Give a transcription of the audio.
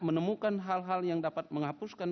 menemukan hal hal yang dapat menghapuskan